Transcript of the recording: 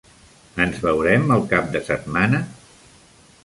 Ens veurem el cap de setmana?